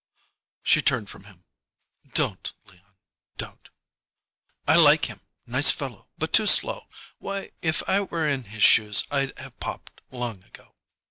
She turned from him. "Don't, Leon don't " "I like him! Nice fellow, but too slow! Why, if I were in his shoes I'd have popped long ago."